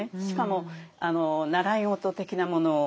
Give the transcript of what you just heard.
しかも習い事的なもの